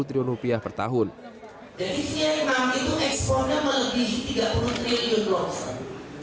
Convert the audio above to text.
jadi siarik nanggit ekspornya melebihi rp tiga puluh